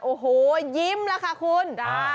โอ้โหยิ้มแล้วค่ะคุณ